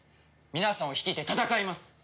皆さんを率いて戦います。